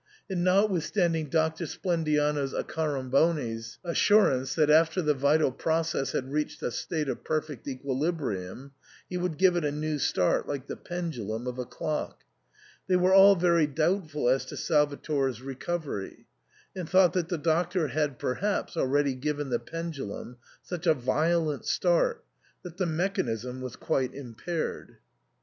And notwithstanding Doctor Splendiano Accoramboni's as surance that, after the vital process had reached a state of perfect equilibrium, he would give it a new start like the pendulum of a clock, they were all very doubtful as to Salvator's recovery, and thought that the Doctor had perhaps already given the pendulum such a violent stait that the mechanism was quite im paired.